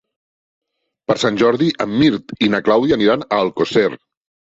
Per Sant Jordi en Mirt i na Clàudia aniran a Alcosser.